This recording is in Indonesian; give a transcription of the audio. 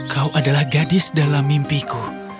kau adalah gadis dalam mimpiku